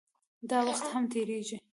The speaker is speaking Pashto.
داوخت هم تېريږي